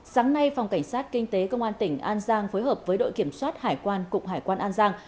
sáng nay phòng cảnh sát kinh tế công an tỉnh an giang phối hợp với đội kiểm soát hải quan cục hải quan an giang